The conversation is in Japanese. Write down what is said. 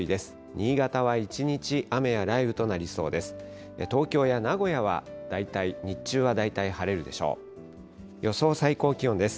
新潟は１日、雨や雷雨となりそうです。